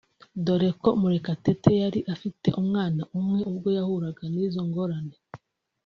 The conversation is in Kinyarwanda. dore ko Murekatete yari afite umwana umwe ubwo yahuraga n’izo ngorane